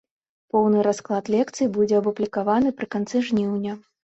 Поўны расклад лекцый будзе апублікаваны пры канцы жніўня.